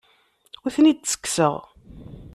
Ur ten-id-ttekkseɣ.